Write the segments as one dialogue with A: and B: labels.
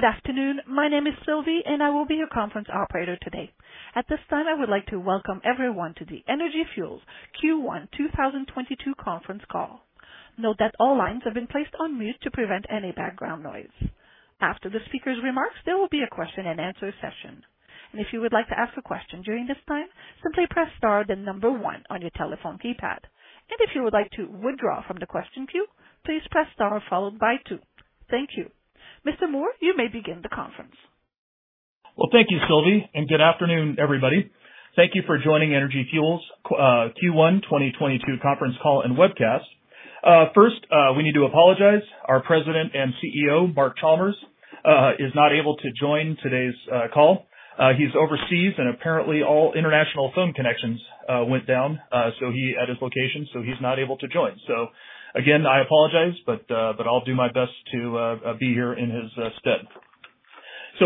A: Good afternoon. My name is Sylvie, and I will be your conference operator today. At this time, I would like to welcome everyone to the Energy Fuels Q1 2022 Conference Call. Note that all lines have been placed on mute to prevent any background noise. After the speaker's remarks, there will be a question-and-answer session. If you would like to ask a question during this time, simply press star then number one on your telephone keypad. If you would like to withdraw from the question queue, please press star followed by two. Thank you. Mr. Moore, you may begin the conference.
B: Well, thank you, Sylvie, and good afternoon, everybody. Thank you for joining Energy Fuels Q1 2022 Conference Call and Webcast. First, we need to apologize. Our President and CEO, Mark Chalmers, is not able to join today's call. He's overseas and apparently all international phone connections went down at his location, so he's not able to join. Again, I apologize, but I'll do my best to be here in his stead.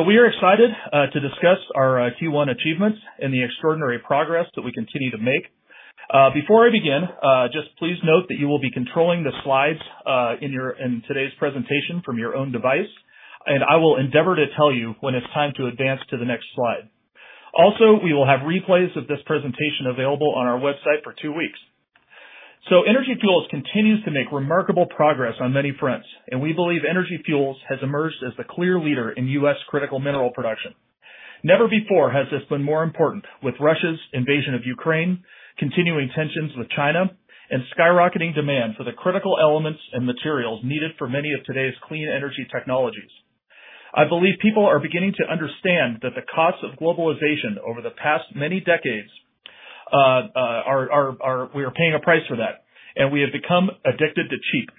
B: We are excited to discuss our Q1 achievements and the extraordinary progress that we continue to make. Before I begin, just please note that you will be controlling the slides in today's presentation from your own device, and I will endeavor to tell you when it's time to advance to the next slide. We will have replays of this presentation available on our website for two weeks. Energy Fuels continues to make remarkable progress on many fronts, and we believe Energy Fuels has emerged as the clear leader in U.S. critical mineral production. Never before has this been more important with Russia's invasion of Ukraine, continuing tensions with China, and skyrocketing demand for the critical elements and materials needed for many of today's clean energy technologies. I believe people are beginning to understand that the cost of globalization over the past many decades, we are paying a price for that, and we have become addicted to cheap.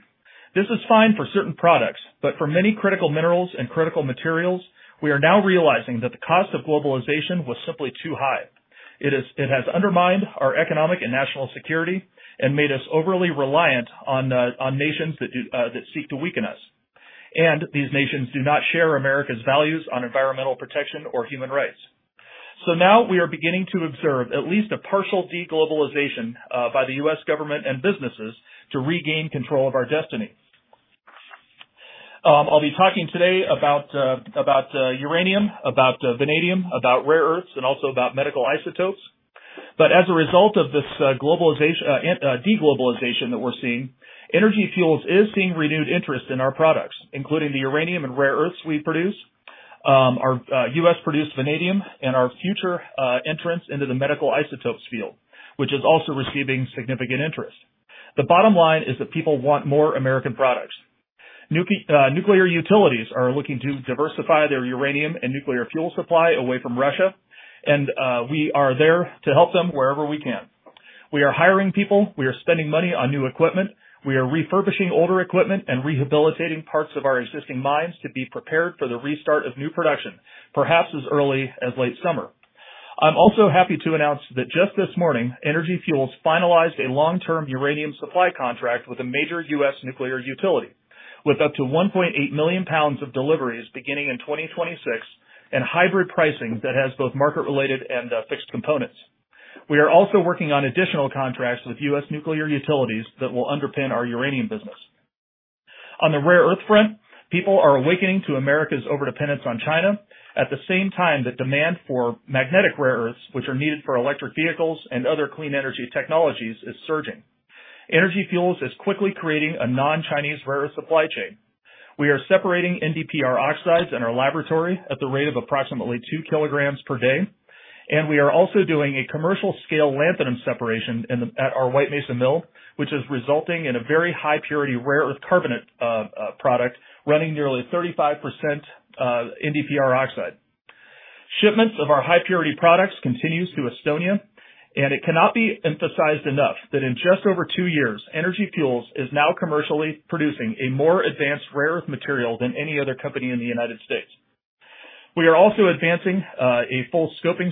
B: This is fine for certain products, but for many critical minerals and critical materials, we are now realizing that the cost of globalization was simply too high. It has undermined our economic and national security and made us overly reliant on nations that seek to weaken us. These nations do not share America's values on environmental protection or human rights. Now we are beginning to observe at least a partial de-globalization by the U.S. government and businesses to regain control of our destiny. I'll be talking today about uranium, vanadium, rare earths, and also about medical isotopes. As a result of this de-globalization that we're seeing, Energy Fuels is seeing renewed interest in our products, including the uranium and rare earths we produce, our U.S.-produced vanadium, and our future entrance into the medical isotopes field, which is also receiving significant interest. The bottom line is that people want more American products. Nuclear utilities are looking to diversify their uranium and nuclear fuel supply away from Russia, and we are there to help them wherever we can. We are hiring people. We are spending money on new equipment. We are refurbishing older equipment and rehabilitating parts of our existing mines to be prepared for the restart of new production, perhaps as early as late summer. I'm also happy to announce that just this morning, Energy Fuels finalized a long-term uranium supply contract with a major U.S. nuclear utility with up to 1.8 million pounds of deliveries beginning in 2026 and hybrid pricing that has both market-related and fixed components. We are also working on additional contracts with U.S. nuclear utilities that will underpin our uranium business. On the rare earth front, people are awakening to America's overdependence on China at the same time that demand for magnetic rare earths, which are needed for electric vehicles and other clean energy technologies, is surging. Energy Fuels is quickly creating a non-Chinese rare earth supply chain. We are separating NdPr oxides in our laboratory at the rate of approximately 2 kg per day, and we are also doing a commercial-scale lanthanum separation at our White Mesa Mill, which is resulting in a very high purity rare earth carbonate product running nearly 35% NdPr oxide. Shipments of our high purity products continues to Estonia, and it cannot be emphasized enough that in just over two years, Energy Fuels is now commercially producing a more advanced rare earth material than any other company in the United States. We are also advancing a full scoping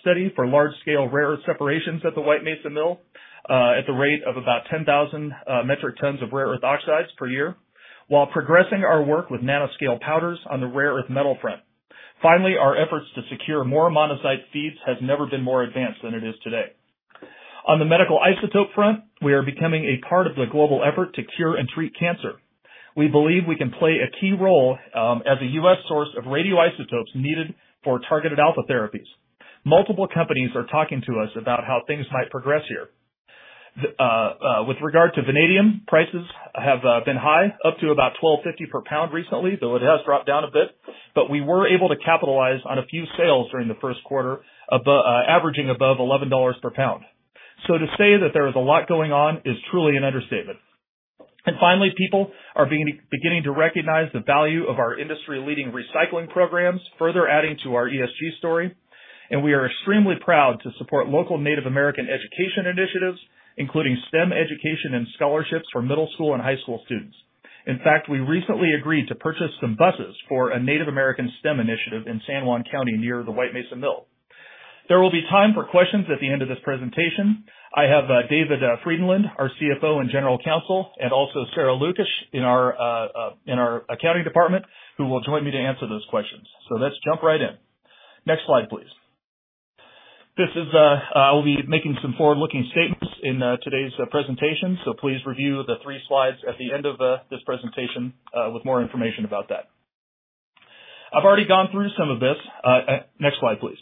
B: study for large-scale rare earth separations at the White Mesa Mill at the rate of about 10,000 metric tons of rare earth oxides per year, while progressing our work with Nanoscale Powders on the rare earth metal front. Finally, our efforts to secure more monazite feeds has never been more advanced than it is today. On the medical isotope front, we are becoming a part of the global effort to cure and treat cancer. We believe we can play a key role as a U.S. source of radioisotopes needed for targeted alpha therapies. Multiple companies are talking to us about how things might progress here. With regard to vanadium, prices have been high, up to about $12.50 per pound recently, though it has dropped down a bit, but we were able to capitalize on a few sales during the first quarter above, averaging above $11 per pound. To say that there is a lot going on is truly an understatement. Finally, people are beginning to recognize the value of our industry-leading recycling programs, further adding to our ESG story. We are extremely proud to support local Native American education initiatives, including STEM education and scholarships for middle school and high school students. In fact, we recently agreed to purchase some buses for a Native American STEM initiative in San Juan County near the White Mesa Mill. There will be time for questions at the end of this presentation. I have David Frydenlund, our CFO and General Counsel, and also Sarai Luksch in our accounting department, who will join me to answer those questions. Let's jump right in. Next slide, please. I will be making some forward-looking statements in today's presentation, so please review the three slides at the end of this presentation with more information about that. I've already gone through some of this. Next slide, please.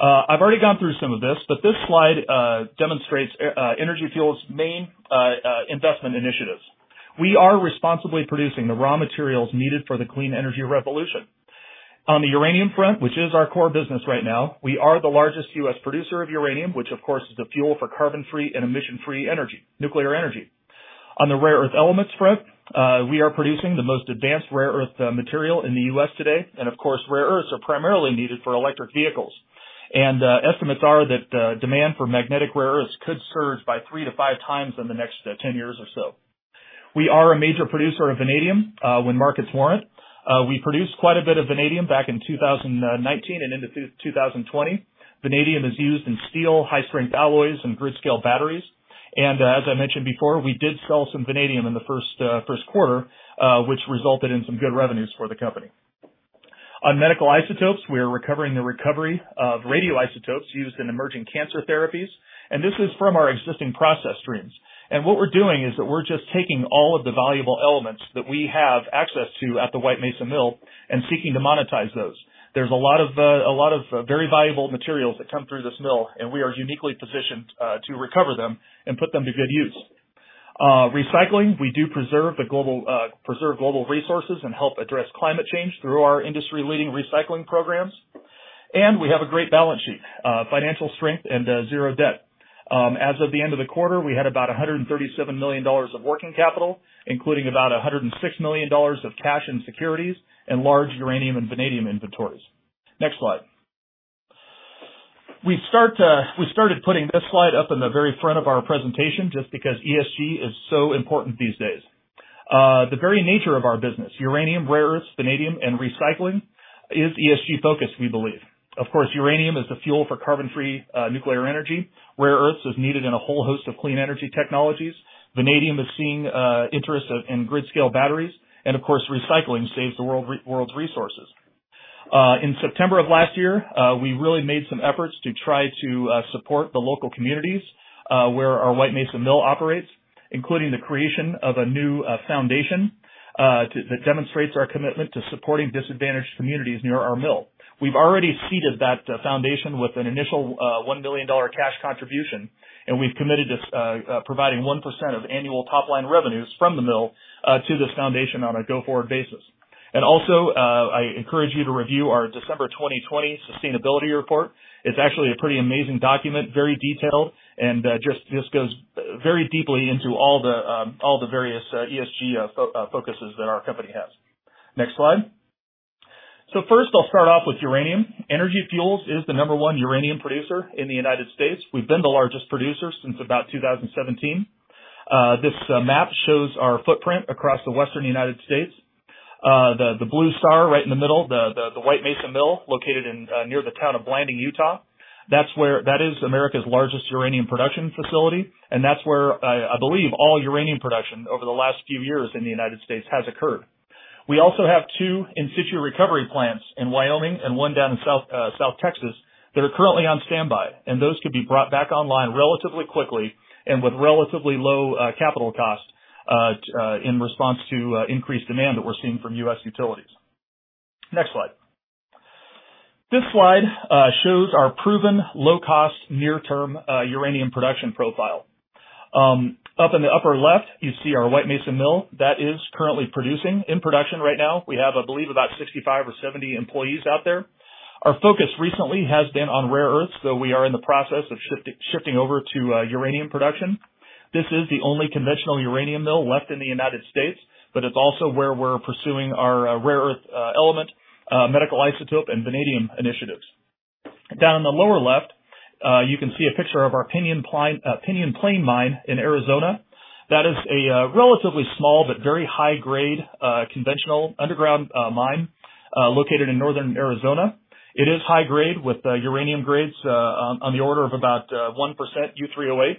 B: I've already gone through some of this, but this slide demonstrates Energy Fuels' main investment initiatives. We are responsibly producing the raw materials needed for the clean energy revolution. On the uranium front, which is our core business right now, we are the largest U.S. producer of uranium, which of course is the fuel for carbon-free and emission-free energy, nuclear energy. On the rare earth elements front, we are producing the most advanced rare earth material in the U.S. today. Of course, rare earths are primarily needed for electric vehicles. Estimates are that demand for magnetic rare earths could surge by 3x-5x in the next 10 years or so. We are a major producer of vanadium when markets warrant. We produced quite a bit of vanadium back in 2019 and into 2020. Vanadium is used in steel, high-strength alloys, and grid-scale batteries. As I mentioned before, we did sell some vanadium in the first quarter, which resulted in some good revenues for the company. On medical isotopes, we are recovering radioisotopes used in emerging cancer therapies. This is from our existing process streams. What we're doing is that we're just taking all of the valuable elements that we have access to at the White Mesa Mill and seeking to monetize those. There's a lot of very valuable materials that come through this mill, and we are uniquely positioned to recover them and put them to good use. Recycling, we do preserve global resources and help address climate change through our industry-leading recycling programs. We have a great balance sheet, financial strength and zero debt. As of the end of the quarter, we had about $137 million of working capital, including about $106 million of cash and securities and large uranium and vanadium inventories. Next slide. We started putting this slide up in the very front of our presentation just because ESG is so important these days. The very nature of our business, uranium, rare earths, vanadium, and recycling is ESG-focused, we believe. Of course, uranium is the fuel for carbon-free nuclear energy. Rare earths is needed in a whole host of clean energy technologies. Vanadium is seeing interest in grid-scale batteries. Of course, recycling saves the world's resources. In September of last year, we really made some efforts to try to support the local communities where our White Mesa Mill operates, including the creation of a new foundation that demonstrates our commitment to supporting disadvantaged communities near our mill. We've already seeded that foundation with an initial $1 million cash contribution, and we've committed to providing 1% of annual top-line revenues from the mill to this foundation on a go-forward basis. I encourage you to review our December 2020 sustainability report. It's actually a pretty amazing document, very detailed, and just goes very deeply into all the various ESG focuses that our company has. Next slide. First, I'll start off with uranium. Energy Fuels is the number one uranium producer in the United States. We've been the largest producer since about 2017. This map shows our footprint across the western United States. The blue star right in the middle, the White Mesa Mill located near the town of Blanding, Utah, that's where. That is America's largest uranium production facility, and that's where I believe all uranium production over the last few years in the United States has occurred. We also have two in situ recovery plants in Wyoming and one down in South Texas that are currently on standby, and those could be brought back online relatively quickly and with relatively low capital cost in response to increased demand that we're seeing from U.S. utilities. Next slide. This slide shows our proven low-cost near-term uranium production profile. Up in the upper left, you see our White Mesa Mill that is currently producing. In production right now. We have, I believe, about 65 or 70 employees out there. Our focus recently has been on rare earths, though we are in the process of shifting over to uranium production. This is the only conventional uranium mill left in the United States, but it's also where we're pursuing our rare earth element, medical isotope, and vanadium initiatives. Down in the lower left, you can see a picture of our Pinyon Plain Mine in Arizona. That is a relatively small but very high-grade conventional underground mine located in northern Arizona. It is high grade with uranium grades on the order of about 1% U3O8.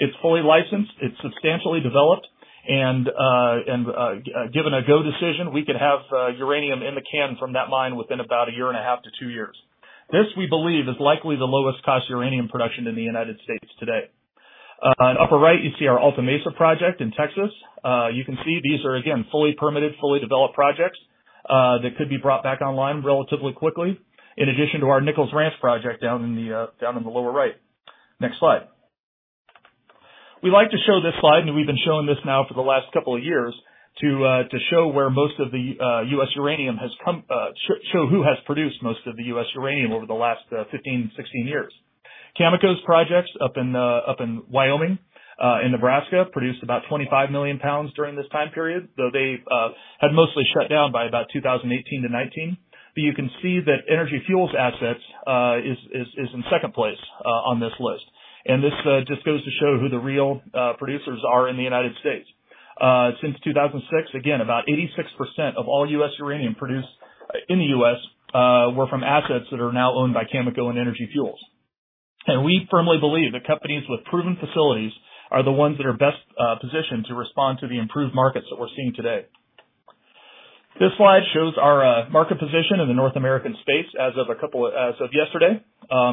B: It's fully licensed, it's substantially developed, and given a go decision, we could have uranium in the can from that mine within about a year and a half to two years. This, we believe, is likely the lowest cost uranium production in the United States today. On the upper right, you see our Alta Mesa project in Texas. You can see these are, again, fully permitted, fully developed projects that could be brought back online relatively quickly, in addition to our Nichols Ranch project down in the lower right. Next slide. We like to show this slide, and we've been showing this now for the last couple of years to show where most of the U.S. uranium has come, show who has produced most of the U.S. uranium over the last 15, 16 years. Cameco's projects up in Wyoming and Nebraska produced about 25 million pounds during this time period, though they had mostly shut down by about 2018-2019. You can see that Energy Fuels assets is in second place on this list. This just goes to show who the real producers are in the United States. Since 2006, again, about 86% of all U.S. uranium produced in the U.S. were from assets that are now owned by Cameco and Energy Fuels. We firmly believe that companies with proven facilities are the ones that are best positioned to respond to the improved markets that we're seeing today. This slide shows our market position in the North American space as of yesterday.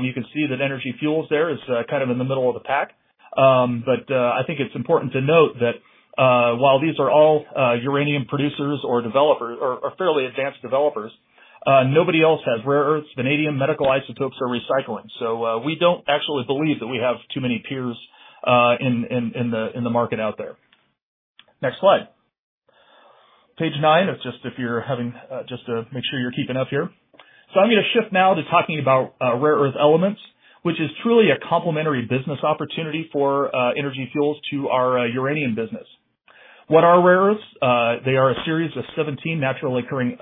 B: You can see that Energy Fuels there is kind of in the middle of the pack. But I think it's important to note that while these are all uranium producers or developers or fairly advanced developers, nobody else has rare earths, vanadium, medical isotopes or recycling. We don't actually believe that we have too many peers in the market out there. Next slide. Page nine is just to make sure you're keeping up here. I'm gonna shift now to talking about rare earth elements, which is truly a complementary business opportunity for Energy Fuels to our uranium business. What are rare earths? They are a series of 17 naturally occurring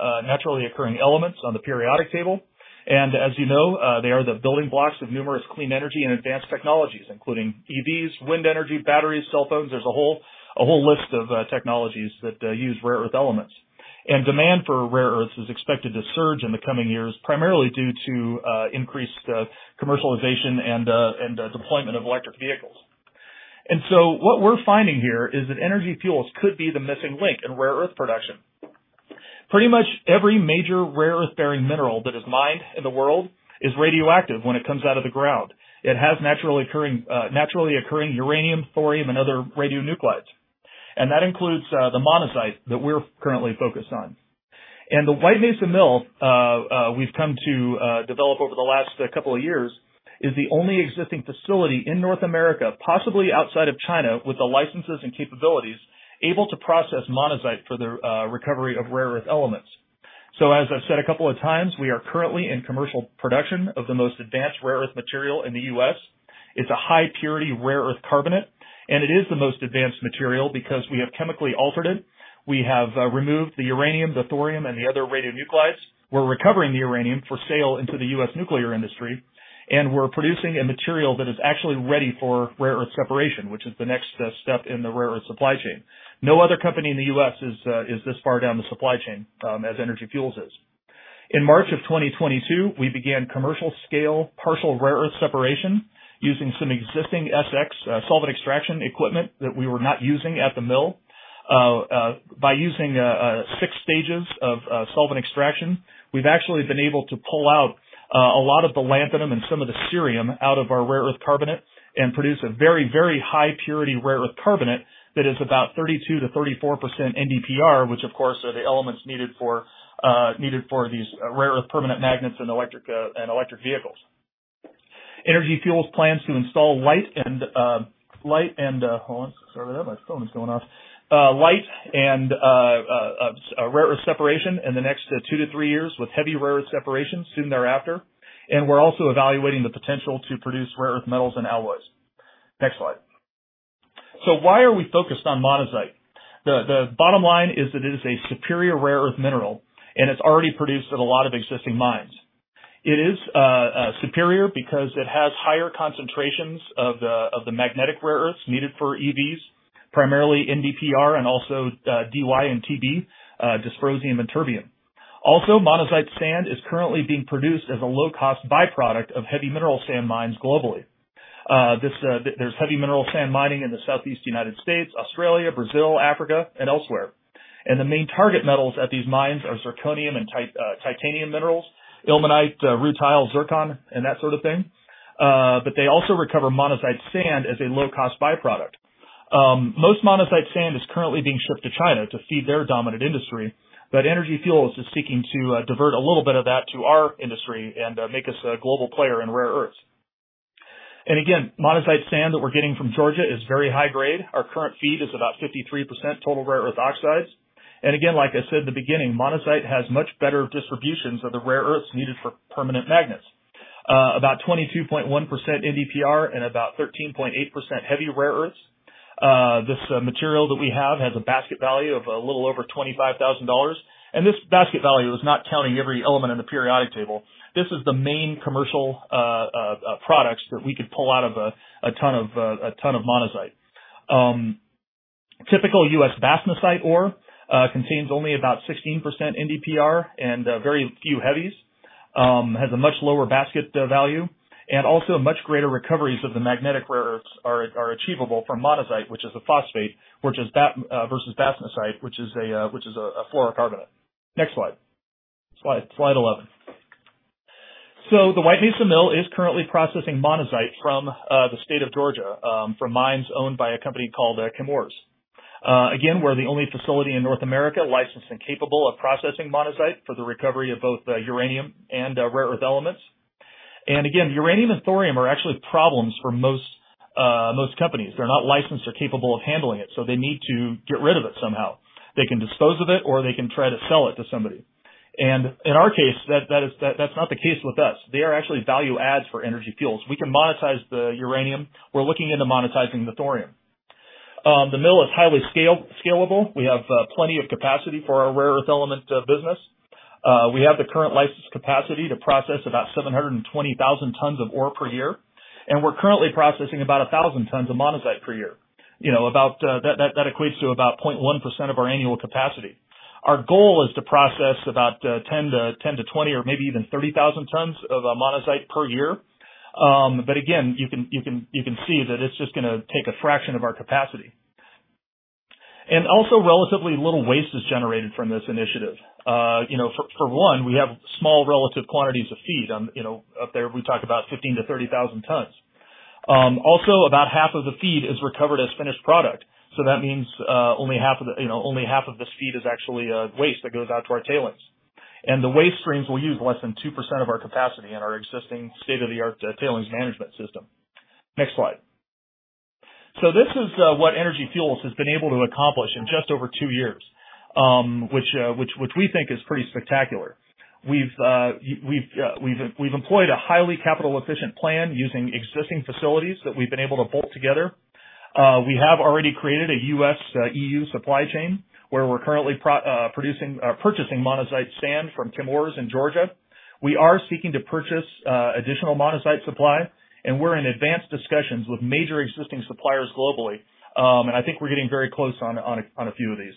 B: elements on the periodic table. As you know, they are the building blocks of numerous clean energy and advanced technologies, including EVs, wind energy, batteries, cell phones. There's a whole list of technologies that use rare earth elements. Demand for rare earths is expected to surge in the coming years, primarily due to increased commercialization and deployment of electric vehicles. What we're finding here is that Energy Fuels could be the missing link in rare earth production. Pretty much every major rare earth-bearing mineral that is mined in the world is radioactive when it comes out of the ground. It has naturally occurring uranium, thorium, and other radionuclides. That includes the monazite that we're currently focused on. The White Mesa Mill we've come to develop over the last couple of years is the only existing facility in North America, possibly outside of China, with the licenses and capabilities able to process monazite for the recovery of rare earth elements. As I've said a couple of times, we are currently in commercial production of the most advanced rare earth material in the U.S. It's a high-purity rare earth carbonate, and it is the most advanced material because we have chemically altered it. We have removed the uranium, the thorium, and the other radionuclides. We're recovering the uranium for sale into the U.S. nuclear industry, and we're producing a material that is actually ready for rare earth separation, which is the next step in the rare earth supply chain. No other company in the U.S. is this far down the supply chain as Energy Fuels is. In March of 2022, we began commercial-scale partial rare earth separation using some existing SX solvent extraction equipment that we were not using at the mill. By using six stages of solvent extraction, we've actually been able to pull out a lot of the lanthanum and some of the cerium out of our rare earth carbonate and produce a very high-purity rare earth carbonate that is about 32%-34% NdPr, which of course are the elements needed for these rare earth permanent magnets in electric vehicles. Energy Fuels plans to install light rare earth separation in the next two to three years with heavy rare earth separation soon thereafter. We're also evaluating the potential to produce rare earth metals and alloys. Next slide. Why are we focused on monazite? The bottom line is that it is a superior rare earth mineral, and it's already produced in a lot of existing mines. It is superior because it has higher concentrations of the magnetic rare earths needed for EVs, primarily NdPr and also Dy and Tb, dysprosium and terbium. Also, monazite sand is currently being produced as a low-cost byproduct of heavy mineral sand mines globally. There's heavy mineral sand mining in the Southeast United States, Australia, Brazil, Africa, and elsewhere. The main target metals at these mines are zirconium and titanium minerals, ilmenite, rutile, zircon, and that sort of thing. But they also recover monazite sand as a low-cost byproduct. Most monazite sand is currently being shipped to China to feed their dominant industry, but Energy Fuels is seeking to divert a little bit of that to our industry and make us a global player in rare earths. Again, monazite sand that we're getting from Georgia is very high grade. Our current feed is about 53% total rare earth oxides. Again, like I said in the beginning, monazite has much better distributions of the rare earths needed for permanent magnets. About 22.1% NdPr and about 13.8% heavy rare earths. This material that we have has a basket value of a little over $25,000. This basket value is not counting every element in the periodic table. This is the main commercial products that we could pull out of a ton of monazite. Typical U.S. bastnäsite ore contains only about 16% NdPr and very few heavies, has a much lower basket value and also much greater recoveries of the magnetic rare earths are achievable from monazite, which is a phosphate versus bastnäsite, which is a fluorocarbonate. Next slide. Slide 11. The White Mesa Mill is currently processing monazite from the state of Georgia from mines owned by a company called Chemours. Again, we're the only facility in North America licensed and capable of processing monazite for the recovery of both uranium and rare earth elements. Again, uranium and thorium are actually problems for most companies. They're not licensed or capable of handling it, so they need to get rid of it somehow. They can dispose of it, or they can try to sell it to somebody. In our case, that's not the case with us. They are actually value adds for Energy Fuels. We can monetize the uranium. We're looking into monetizing the thorium. The mill is highly scalable. We have plenty of capacity for our rare earth element business. We have the current license capacity to process about 720,000 tons of ore per year, and we're currently processing about 1,000 tons of monazite per year. You know, that equates to about 0.1% of our annual capacity. Our goal is to process about 10,000-20,000 or maybe even 30,000 tons of monazite per year. Again, you can see that it's just gonna take a fraction of our capacity. Also relatively little waste is generated from this initiative. You know, for one, we have small relative quantities of feed on, you know, up there we talk about 15,000-30,000 tons. Also about half of the feed is recovered as finished product. That means only half of this feed is actually waste that goes out to our tailings. The waste streams will use less than 2% of our capacity in our existing state-of-the-art tailings management system. Next slide. This is what Energy Fuels has been able to accomplish in just over two years, which we think is pretty spectacular. We've employed a highly capital-efficient plan using existing facilities that we've been able to bolt together. We have already created a U.S.-EU supply chain, where we're currently purchasing monazite sand from Chemours in Georgia. We are seeking to purchase additional monazite supply, and we're in advanced discussions with major existing suppliers globally. I think we're getting very close on a few of these.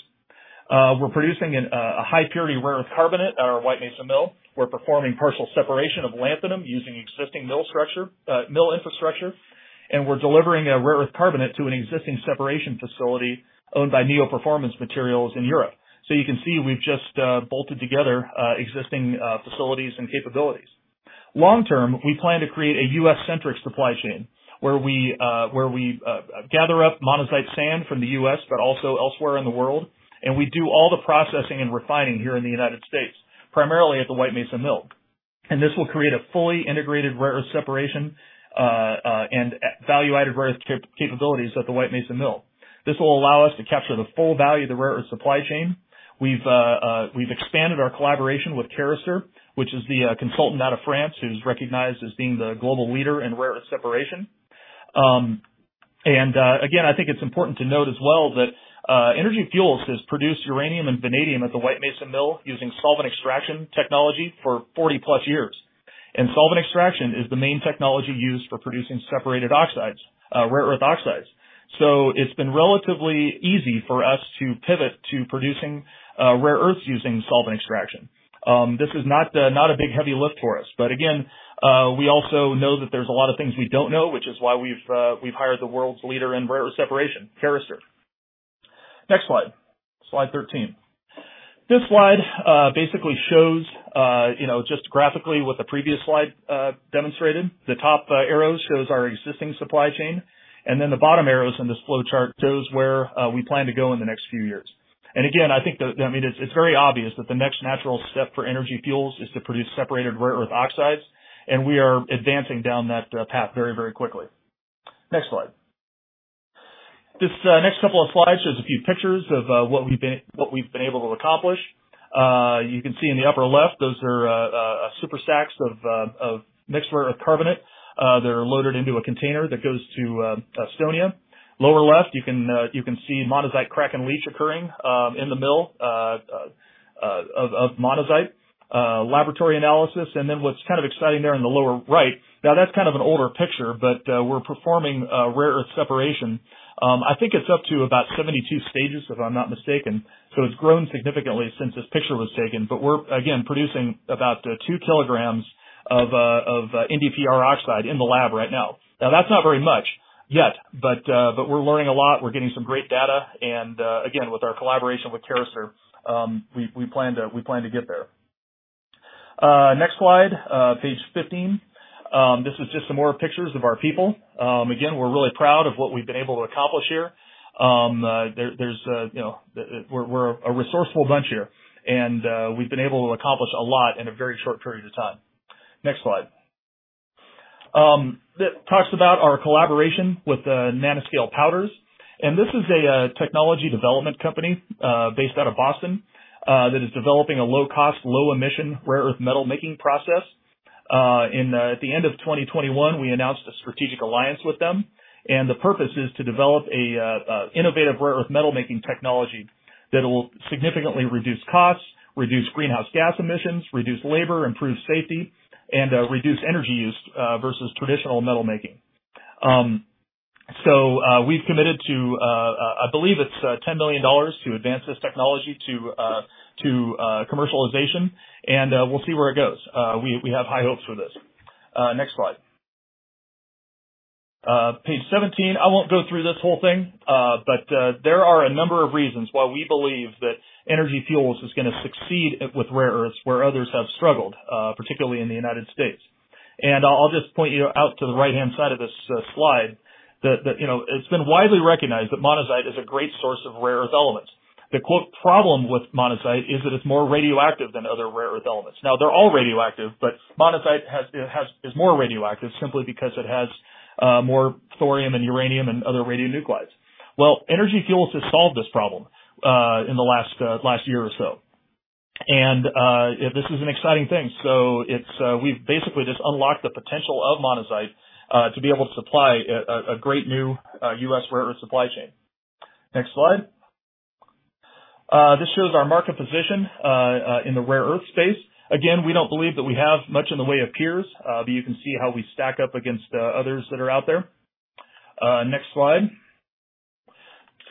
B: We're producing a high purity rare earth carbonate at our White Mesa Mill. We're performing partial separation of lanthanum using existing mill structure, mill infrastructure, and we're delivering a rare earth carbonate to an existing separation facility owned by Neo Performance Materials in Europe. You can see, we've just bolted together existing facilities and capabilities. Long term, we plan to create a U.S.-centric supply chain where we gather up monazite sand from the U.S., but also elsewhere in the world, and we do all the processing and refining here in the United States, primarily at the White Mesa Mill. This will create a fully integrated rare earth separation and a value-added rare earth capabilities at the White Mesa Mill. This will allow us to capture the full value of the rare earth supply chain. We've expanded our collaboration with Carester, which is the consultant out of France who's recognized as being the global leader in rare earth separation. Again, I think it's important to note as well that Energy Fuels has produced uranium and vanadium at the White Mesa Mill using solvent extraction technology for 40-plus years. Solvent extraction is the main technology used for producing separated oxides, rare earth oxides. It's been relatively easy for us to pivot to producing rare earths using solvent extraction. This is not a big heavy lift for us. Again, we also know that there's a lot of things we don't know, which is why we've hired the world's leader in rare earth separation, Carester. Next slide. Slide 13. This slide basically shows, you know, just graphically what the previous slide demonstrated. The top arrows shows our existing supply chain, and then the bottom arrows in this flowchart shows where we plan to go in the next few years. Again, I think. I mean, it's very obvious that the next natural step for Energy Fuels is to produce separated rare earth oxides, and we are advancing down that path very, very quickly. Next slide. This next couple of slides shows a few pictures of what we've been able to accomplish. You can see in the upper left, those are super sacks of mixed rare earth carbonate. They're loaded into a container that goes to Estonia. Lower left, you can see monazite crack and leach occurring in the mill of monazite laboratory analysis. What's kind of exciting there in the lower right. Now, that's kind of an older picture, but we're performing rare earth separation. I think it's up to about 72 stages, if I'm not mistaken. It's grown significantly since this picture was taken. We're again producing about 2 kg of NdPr oxide in the lab right now. Now, that's not very much yet, but we're learning a lot. We're getting some great data. Again, with our collaboration with Carester, we plan to get there. Next slide, page 15. This is just some more pictures of our people. Again, we're really proud of what we've been able to accomplish here. There's you know, we're a resourceful bunch here and we've been able to accomplish a lot in a very short period of time. Next slide. That talks about our collaboration with Nanoscale Powders. This is a technology development company based out of Boston that is developing a low-cost, low-emission rare earth metal making process. At the end of 2021, we announced a strategic alliance with them, and the purpose is to develop a innovative rare earth metal making technology that'll significantly reduce costs, reduce greenhouse gas emissions, reduce labor, improve safety, and reduce energy use versus traditional metal making. So, we've committed to, I believe it's $10 million to advance this technology to commercialization, and we'll see where it goes. We have high hopes for this. Next slide. Page 17. I won't go through this whole thing, but there are a number of reasons why we believe that Energy Fuels is gonna succeed with rare earths where others have struggled, particularly in the United States. I'll just point you to the right-hand side of this slide that, you know, it's been widely recognized that monazite is a great source of rare earth elements. The quote problem with monazite is that it's more radioactive than other rare earth elements. Now, they're all radioactive, but monazite has. is more radioactive simply because it has more thorium and uranium and other radionuclides. Well, Energy Fuels has solved this problem in the last year or so. This is an exciting thing. It's we've basically just unlocked the potential of monazite to be able to supply a great new U.S. rare earth supply chain. Next slide. This shows our market position in the rare earth space. Again, we don't believe that we have much in the way of peers, but you can see how we stack up against others that are out there. Next slide.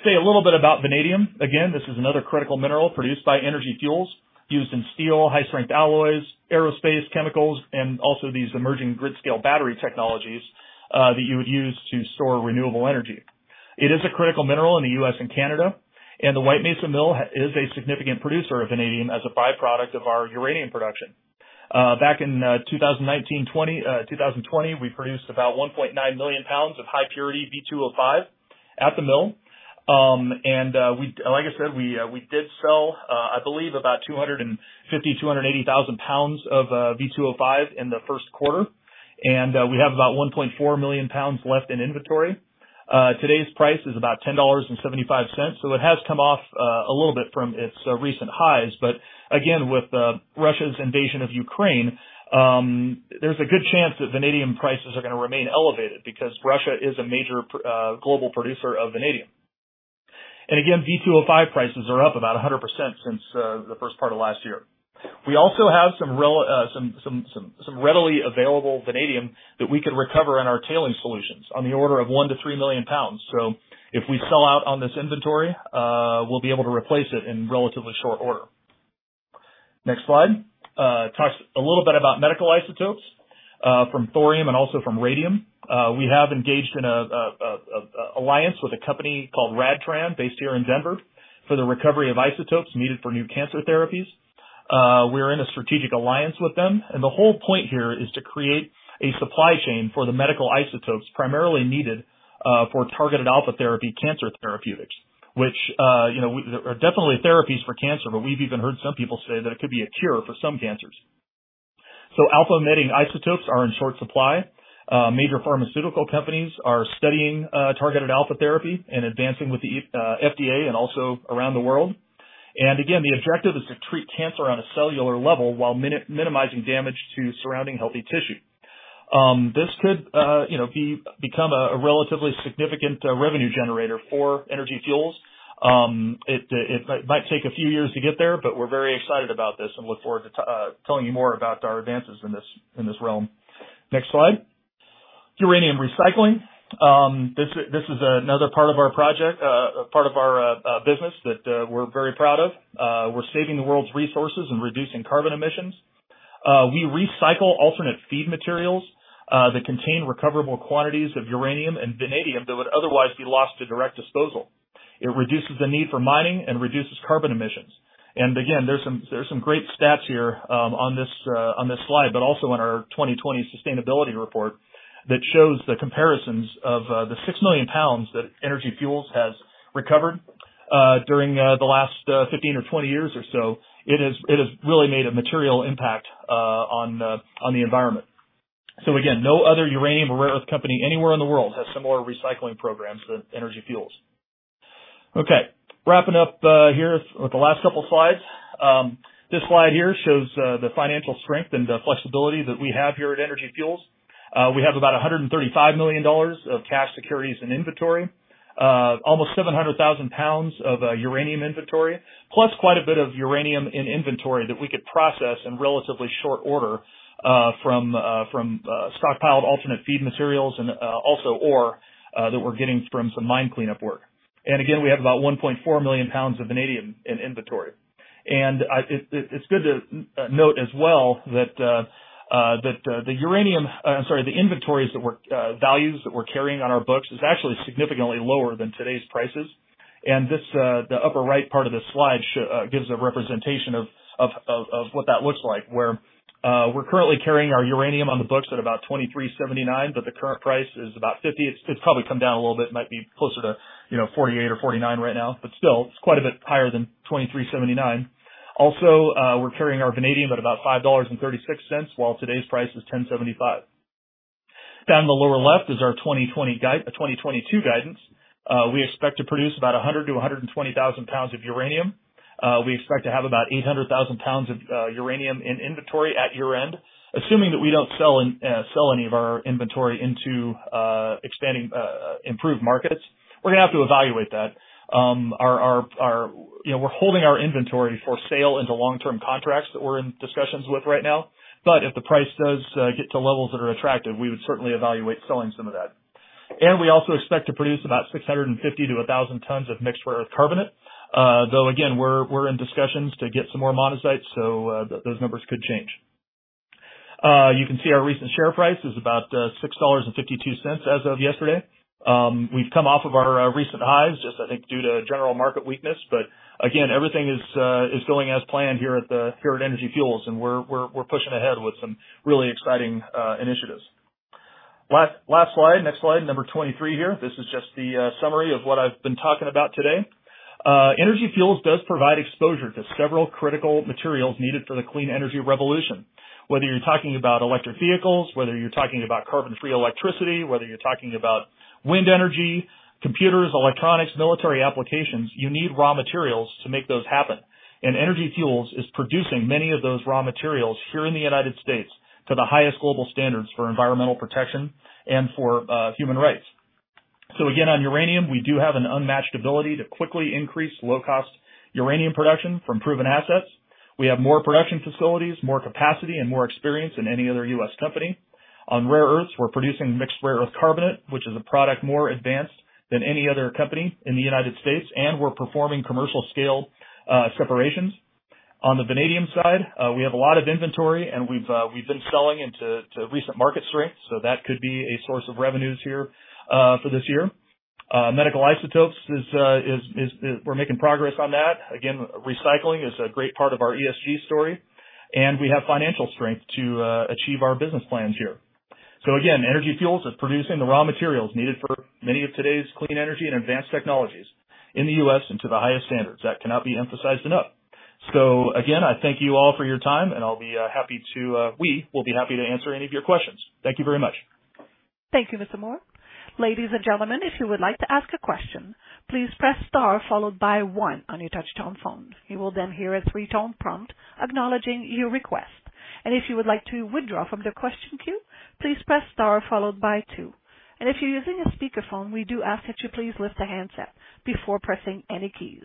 B: Say a little bit about vanadium. Again, this is another critical mineral produced by Energy Fuels, used in steel, high-strength alloys, aerospace chemicals, and also these emerging grid scale battery technologies that you would use to store renewable energy. It is a critical mineral in the U.S. and Canada, and the White Mesa Mill is a significant producer of vanadium as a byproduct of our uranium production. Back in 2020, we produced about 1.9 million pounds of high purity V2O5 at the mill. Like I said, we did sell, I believe about 250,000-280,000 pounds of V2O5 in the first quarter. We have about 1.4 million pounds left in inventory. Today's price is about $10.75, so it has come off a little bit from its recent highs, but again, with Russia's invasion of Ukraine, there's a good chance that vanadium prices are gonna remain elevated because Russia is a major global producer of vanadium. Again, V2O5 prices are up about 100% since the first part of last year. We also have some readily available vanadium that we could recover in our tailings solutions on the order of 1 million-3 million pounds. If we sell out on this inventory, we'll be able to replace it in relatively short order. Next slide talks a little bit about medical isotopes from thorium and also from radium. We have engaged in an alliance with a company called RadTran, based here in Denver, for the recovery of isotopes needed for new cancer therapies. We're in a strategic alliance with them. The whole point here is to create a supply chain for the medical isotopes primarily needed for targeted alpha therapy cancer therapeutics, which you know are definitely therapies for cancer, but we've even heard some people say that it could be a cure for some cancers. Alpha emitting isotopes are in short supply. Major pharmaceutical companies are studying targeted alpha therapy and advancing with the FDA and also around the world. Again, the objective is to treat cancer on a cellular level while minimizing damage to surrounding healthy tissue. This could, you know, become a relatively significant revenue generator for Energy Fuels. It might take a few years to get there, but we're very excited about this and look forward to telling you more about our advances in this realm. Next slide. Uranium recycling. This is another part of our project, part of our business that we're very proud of. We're saving the world's resources and reducing carbon emissions. We recycle alternate feed materials that contain recoverable quantities of uranium and vanadium that would otherwise be lost to direct disposal. It reduces the need for mining and reduces carbon emissions. Again, there's some great stats here on this slide, but also in our 2020 sustainability report that shows the comparisons of the 6 million pounds that Energy Fuels has recovered during the last 15 or 20 years or so. It has really made a material impact on the environment. Again, no other uranium or rare earth company anywhere in the world has similar recycling programs than Energy Fuels. Okay, wrapping up here with the last couple slides. This slide here shows the financial strength and the flexibility that we have here at Energy Fuels. We have about $135 million of cash, securities, and inventory. Almost 700,000 pounds of uranium inventory, plus quite a bit of uranium in inventory that we could process in relatively short order, from stockpiled alternate feed materials and also ore that we're getting from some mine cleanup work. We have about 1.4 million pounds of vanadium in inventory. It's good to note as well that the inventory values that we're carrying on our books is actually significantly lower than today's prices. This, the upper right part of this slide, gives a representation of what that looks like, where we're currently carrying our uranium on the books at about $23.79, but the current price is about $50. It's probably come down a little bit, might be closer to, you know, $48 or $49 right now, but still, it's quite a bit higher than $23.79. Also, we're carrying our vanadium at about $5.36, while today's price is $10.75. Down in the lower left is our 2022 guidance. We expect to produce about 100,000-120,0000 pounds of uranium. We expect to have about 800,000 pounds of uranium in inventory at year-end, assuming that we don't sell any of our inventory into expanding, improved markets. We're gonna have to evaluate that. You know, we're holding our inventory for sale into long-term contracts that we're in discussions with right now, but if the price does get to levels that are attractive, we would certainly evaluate selling some of that. We also expect to produce about 650-1,000 tons of mixed rare earth carbonate. Though again, we're in discussions to get some more monazite, so those numbers could change. You can see our recent share price is about $6.52 as of yesterday. We've come off of our recent highs, just I think due to general market weakness, but again, everything is going as planned here at Energy Fuels, and we're pushing ahead with some really exciting initiatives. Last slide. Next slide, number 23 here. This is just the summary of what I've been talking about today. Energy Fuels does provide exposure to several critical materials needed for the clean energy revolution. Whether you're talking about electric vehicles, whether you're talking about carbon-free electricity, whether you're talking about wind energy, computers, electronics, military applications, you need raw materials to make those happen. Energy Fuels is producing many of those raw materials here in the United States to the highest global standards for environmental protection and for human rights. Again, on uranium, we do have an unmatched ability to quickly increase low-cost uranium production from proven assets. We have more production facilities, more capacity, and more experience than any other U.S. company. On rare earths, we're producing mixed rare earth carbonate, which is a product more advanced than any other company in the United States, and we're performing commercial-scale separations. On the vanadium side, we have a lot of inventory, and we've been selling into recent market strengths. That could be a source of revenues here for this year. Medical isotopes. We're making progress on that. Again, recycling is a great part of our ESG story, and we have financial strength to achieve our business plans here. Again, Energy Fuels is producing the raw materials needed for many of today's clean energy and advanced technologies in the U.S. and to the highest standards. That cannot be emphasized enough. Again, I thank you all for your time, and we will be happy to answer any of your questions. Thank you very much.
A: Thank you, Mr. Moore. Ladies and gentlemen, if you would like to ask a question, please press star followed by one on your touchtone phone. You will then hear a three-tone prompt acknowledging your request. If you would like to withdraw from the question queue, please press star followed by two. If you're using a speakerphone, we do ask that you please lift the handset before pressing any keys.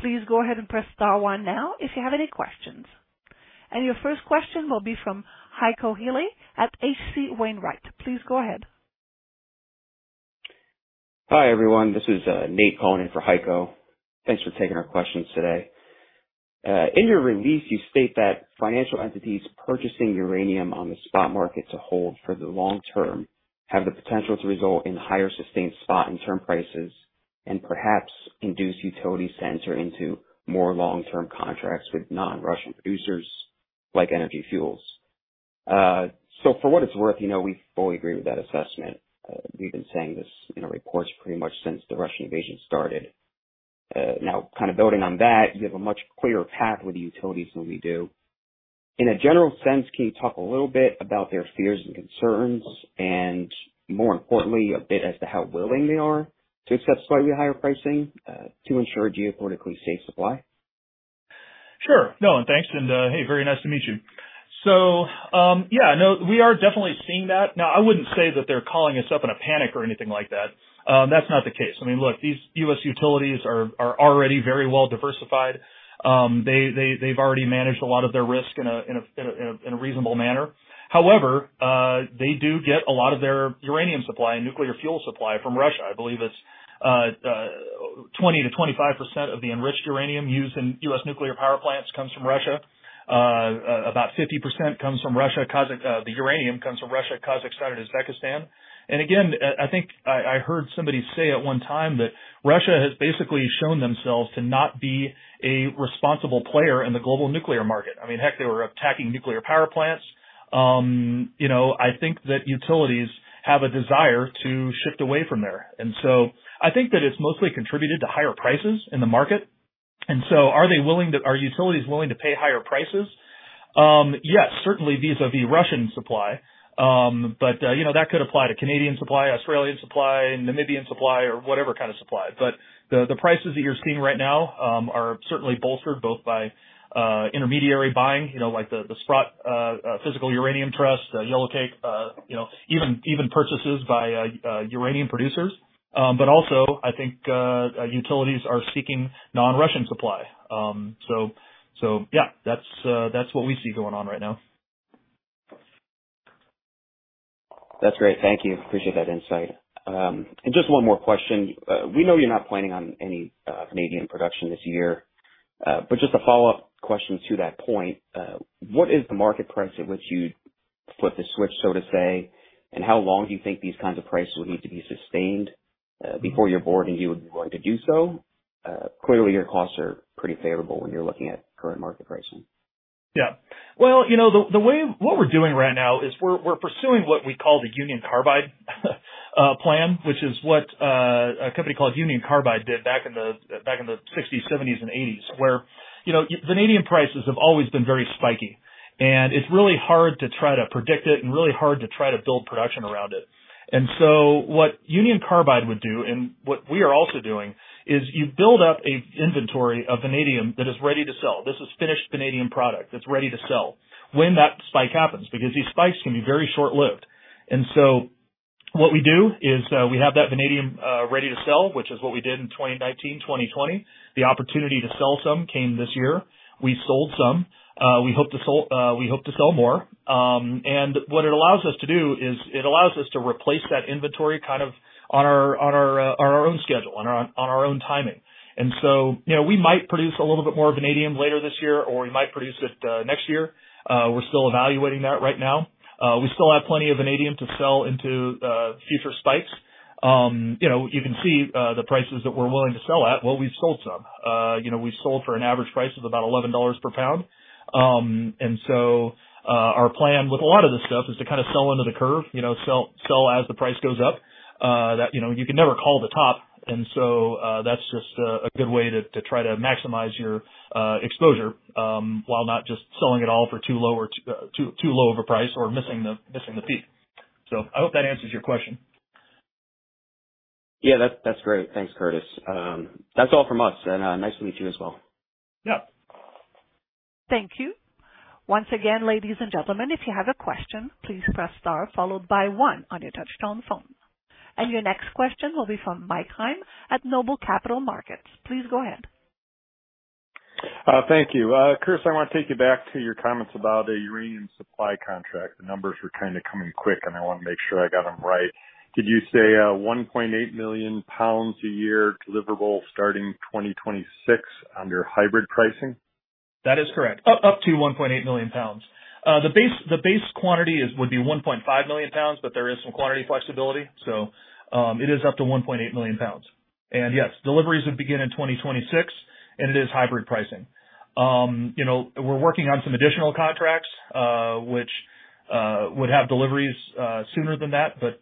A: Please go ahead and press star 1 now if you have any questions. Your first question will be from Heiko Ihle at H.C. Wainwright. Please go ahead.
C: Hi, everyone. This is Nate calling in for Heiko. Thanks for taking our questions today. In your release, you state that financial entities purchasing uranium on the spot market to hold for the long term have the potential to result in higher sustained spot and term prices and perhaps induce utilities to enter into more long-term contracts with non-Russian producers like Energy Fuels. For what it's worth, you know, we fully agree with that assessment. We've been saying this in our reports pretty much since the Russian invasion started. Now kind of building on that, you have a much clearer path with the utilities than we do. In a general sense, can you talk a little bit about their fears and concerns, and more importantly, a bit as to how willing they are to accept slightly higher pricing to ensure geopolitically safe supply?
B: Sure. No, thanks, hey, very nice to meet you. Yeah, no, we are definitely seeing that. Now, I wouldn't say that they're calling us up in a panic or anything like that. That's not the case. I mean, look, these U.S. utilities are already very well diversified. They, they've already managed a lot of their risk in a reasonable manner. However, they do get a lot of their uranium supply and nuclear fuel supply from Russia. I believe it's 20%-25% of the enriched uranium used in U.S. nuclear power plants comes from Russia. About 50% comes from Russia. The uranium comes from Russia, Kazakhstan, and Uzbekistan. I think I heard somebody say at one time that Russia has basically shown themselves to not be a responsible player in the global nuclear market. I mean, heck, they were attacking nuclear power plants. You know, I think that utilities have a desire to shift away from there. I think that it's mostly contributed to higher prices in the market. Are utilities willing to pay higher prices? Yes, certainly vis-a-vis Russian supply. You know, that could apply to Canadian supply, Australian supply, Namibian supply or whatever kind of supply. The prices that you're seeing right now are certainly bolstered both by intermediary buying, you know, like the Sprott Physical Uranium Trust, Yellow Cake, you know, even purchases by uranium producers. Also, I think utilities are seeking non-Russian supply. Yeah, that's what we see going on right now.
C: That's great. Thank you. Appreciate that insight. Just one more question. We know you're not planning on any vanadium production this year, but just a follow-up question to that point. What is the market price at which you'd flip the switch, so to say? How long do you think these kinds of prices would need to be sustained before your board and you would be willing to do so? Clearly your costs are pretty favorable when you're looking at current market pricing.
B: Yeah. Well, you know, what we're doing right now is we're pursuing what we call the Union Carbide plan, which is what a company called Union Carbide did back in the 60s, 70s and 80s, where, you know, vanadium prices have always been very spiky. It's really hard to try to predict it and really hard to try to build production around it. What Union Carbide would do, and what we are also doing, is you build up a inventory of vanadium that is ready to sell. This is finished vanadium product that's ready to sell when that spike happens, because these spikes can be very short-lived. What we do is we have that vanadium ready to sell, which is what we did in 2019, 2020. The opportunity to sell some came this year. We sold some. We hope to sell more. What it allows us to do is it allows us to replace that inventory kind of on our own schedule, on our own timing. You know, we might produce a little bit more vanadium later this year, or we might produce it next year. We're still evaluating that right now. We still have plenty of vanadium to sell into future spikes. You know, you can see the prices that we're willing to sell at. Well, we've sold some. You know, we've sold for an average price of about $11 per pound. Our plan with a lot of this stuff is to kind of sell into the curve, you know, sell as the price goes up, that you know you can never call the top. That's just a good way to try to maximize your exposure while not just selling it all for too low of a price or missing the peak. I hope that answers your question.
C: Yeah. That's great. Thanks, Curtis. That's all from us, and nice to meet you as well.
B: Yeah.
A: Thank you. Once again, ladies and gentlemen, if you have a question, please press star followed by one on your touchtone phone. Your next question will be from Mike Heim at NOBLE Capital Markets. Please go ahead.
D: Thank you. Curtis, I wanna take you back to your comments about a uranium supply contract. The numbers were kind of coming quick, and I wanna make sure I got them right. Did you say, 1.8 million pounds a year deliverable starting 2026 under hybrid pricing?
B: That is correct. Up to 1.8 million pounds. The base quantity would be 1.5 million pounds, but there is some quantity flexibility. It is up to 1.8 million pounds. Yes, deliveries would begin in 2026, and it is hybrid pricing. You know, we're working on some additional contracts, which would have deliveries sooner than that, but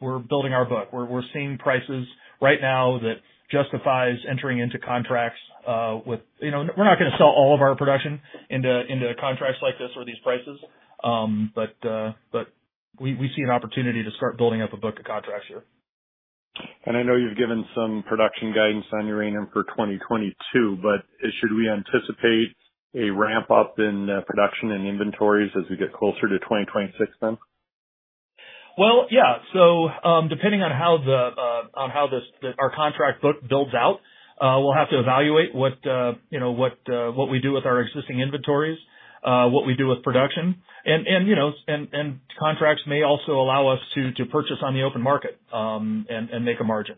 B: we're building our book. We're seeing prices right now that justifies entering into contracts with. You know, we're not gonna sell all of our production into contracts like this or these prices. But we see an opportunity to start building up a book of contracts here.
D: I know you've given some production guidance on uranium for 2022, but should we anticipate a ramp-up in production and inventories as we get closer to 2026 then?
B: Well, yeah. Depending on how this, our contract book builds out, we'll have to evaluate what, you know, what we do with our existing inventories, what we do with production. You know, contracts may also allow us to purchase on the open market, and make a margin.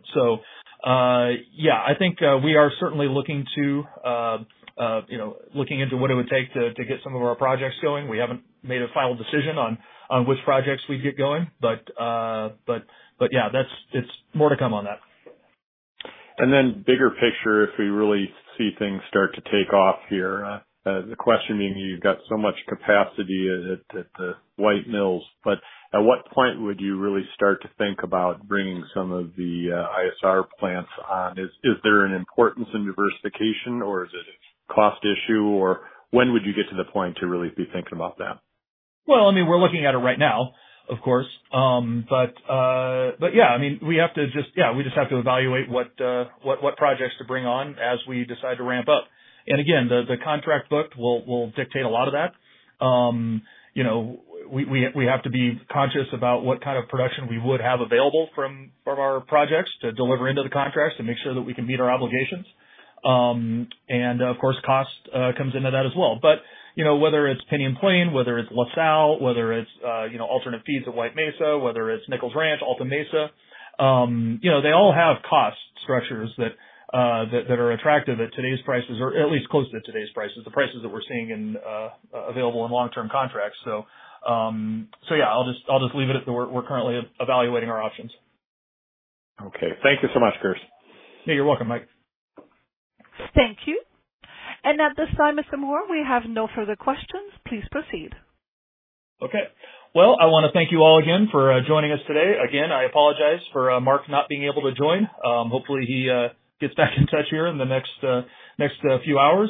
B: Yeah, I think we are certainly looking to, you know, looking into what it would take to get some of our projects going. We haven't made a final decision on which projects we'd get going, but yeah, that's. It's more to come on that.
D: Bigger picture, if we really see things start to take off here, the question is, you've got so much capacity at the White Mesa Mill, but at what point would you really start to think about bringing some of the ISR plants on? Is there an importance in diversification or is it a cost issue, or when would you get to the point to really be thinking about that?
B: Well, I mean, we're looking at it right now, of course. I mean, we just have to evaluate what projects to bring on as we decide to ramp up. Again, the contract book will dictate a lot of that. You know, we have to be conscious about what kind of production we would have available from our projects to deliver into the contracts and make sure that we can meet our obligations. Of course, cost comes into that as well. You know, whether it's Pinyon Plain, whether it's La Sal, whether it's alternate feeds at White Mesa, whether it's Nichols Ranch, Alta Mesa, you know, they all have cost structures that are attractive at today's prices or at least close to today's prices, the prices that we're seeing in available in long-term contracts. Yeah, I'll just leave it at that we're currently evaluating our options.
D: Okay. Thank you so much, Chris.
B: Yeah, you're welcome, Mike.
A: Thank you. At this time, Mr. Moore, we have no further questions. Please proceed.
B: Okay. Well, I wanna thank you all again for joining us today. Again, I apologize for Mark not being able to join. Hopefully he gets back in touch here in the next few hours.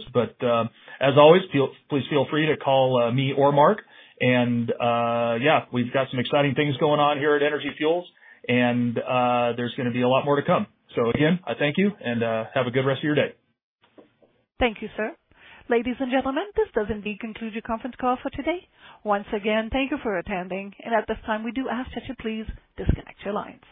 B: As always, please feel free to call me or Mark, and yeah, we've got some exciting things going on here at Energy Fuels. There's gonna be a lot more to come. Again, I thank you and have a good rest of your day.
A: Thank you, sir. Ladies and gentlemen, this does indeed conclude your conference call for today. Once again, thank you for attending. At this time, we do ask that you please disconnect your lines.